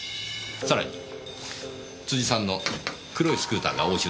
さらに辻さんの黒いスクーターが押収されています。